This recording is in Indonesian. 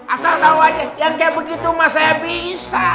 asal tahu aja yang kayak begitu mas saya bisa